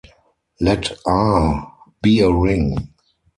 Let "R" be a ring.